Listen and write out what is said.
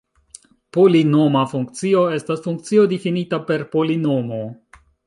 Polinoma funkcio estas funkcio difinita per polinomo.